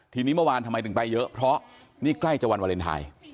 ทีนี้เมื่อวานทำไมถึงไปเยอะเพราะนี่ใกล้จะวันวาเลนไทย